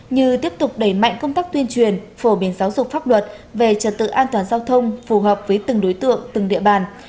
như tiếp tục đẩy mạnh công tác tuyên truyền phổ biến giáo dục pháp luật về trật tự an toàn giao thông phù hợp với từng đối tượng từng địa bàn